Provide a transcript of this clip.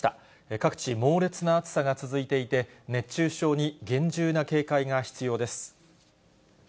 各地、猛烈な暑さが続いていて、熱中症に厳重な警戒が必要です。